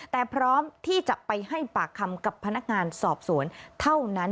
แต่พร้อมที่จะไปให้ปากคำกับพนักงานสอบสวนเท่านั้น